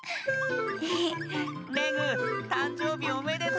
レグたんじょうびおめでとう。